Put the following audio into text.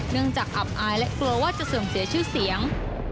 จากอับอายและกลัวว่าจะเสื่อมเสียชื่อเสียง